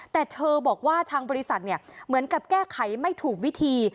แต่เธอบอกว่าทางบริษัทเหมือนกับแก้ไขไม่ถูกวิธี